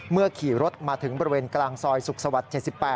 ขี่รถมาถึงบริเวณกลางซอยสุขสวรรค์๗๘